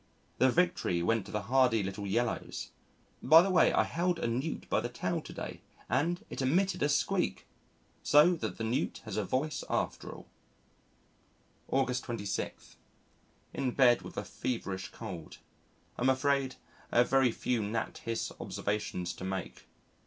The victory went to the hardy little Yellows.... By the way, I held a Newt by the tail to day and it emitted a squeak! So that the Newt has a voice after all. August 26. In bed with a feverish cold. I am afraid I have very few Nat. His. observations to make.